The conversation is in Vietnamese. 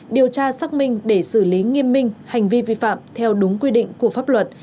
điều tra xác minh để xử lý nghiêm minh hành vi vi phạm theo đúng quy định của pháp luật